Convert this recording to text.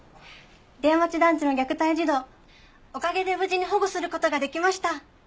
出屋町団地の虐待児童おかげで無事に保護する事ができました。